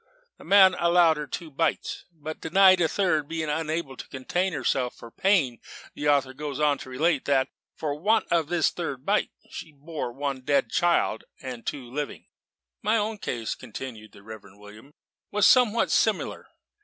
The man allowed her two bites, but denied a third, being unable to contain himself for pain. The author goes on to relate that, for want of this third bite, she bore one dead child, and two living. My own case," continued the Reverend William, "was somewhat similar.